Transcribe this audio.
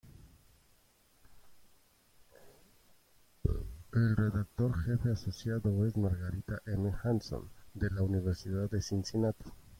El Redactor jefe Asociado es Margarita M. Hanson del la Universidad de Cincinnati.